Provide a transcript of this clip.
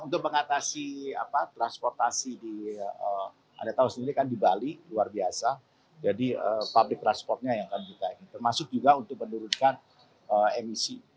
untuk mengatasi transportasi di bali luar biasa jadi publik transportnya yang akan diperlukan termasuk juga untuk menurunkan emisi